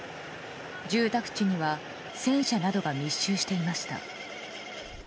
住宅地には戦車などが密集していました。